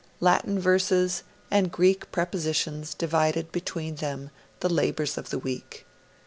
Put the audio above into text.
Latin verses and Greek prepositions divided between them the labours of the week.